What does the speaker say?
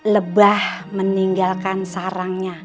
lebah meninggalkan sarangnya